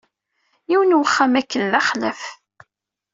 Yiwen wexxam akken d axlaf.